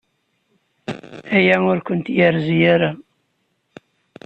Aya ur kent-yerzi ara.